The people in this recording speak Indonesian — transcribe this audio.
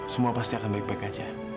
semua pasti akan baik baik aja